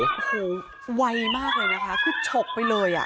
โอ้โหไวมากเลยนะคะคือฉกไปเลยอ่ะ